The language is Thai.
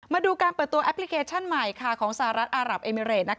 มาดูการเปิดตัวแอปพลิเคชันใหม่ของสหรัฐอารับเอมิเรต